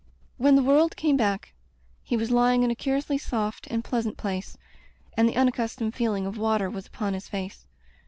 When the world came back, he was lying in a curiously soft and pleasant place, and the unaccustomed feeling of water was upon his face.